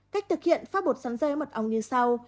cách thực hiện phát bột sắn dây mật ong như sau